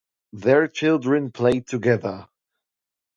Their children played together.